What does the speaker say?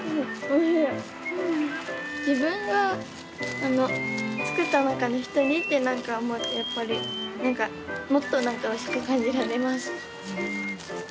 自分が作った中の１人って思うと、やっぱり、なんかもっと、なんかおいしく感じられます。